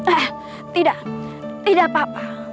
eh tidak tidak apa apa